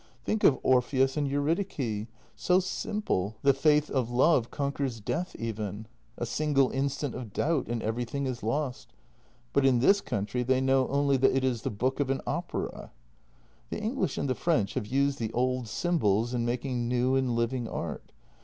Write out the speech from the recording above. Think of Orpheus and Eurydice — so simple; the faith of love conquers death even; a single instant of doubt and everything is lost. But in this country they know only that it is the book of an opera. " The English and the French have used the old symbols in making new and living art.